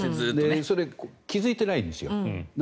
それ、気付いていないんですよ。